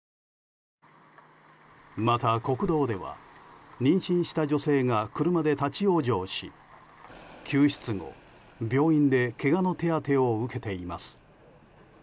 また、国道では妊娠した女性が車で立ち往生し救出後、病院でけがの手当てを受けています。